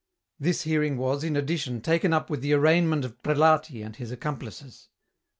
This hearing was, in addition, taken up with the arraignment of Prelati and his accomplices.